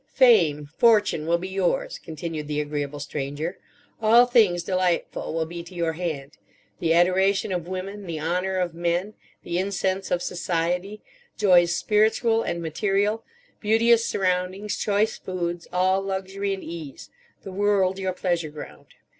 "Fame, fortune will be yours," continued the agreeable Stranger. "All things delightful will be to your hand: the adoration of women, the honour of men, the incense of Society, joys spiritual and material, beauteous surroundings, choice foods, all luxury and ease, the world your pleasure ground."